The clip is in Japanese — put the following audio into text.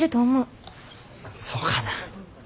そうかな。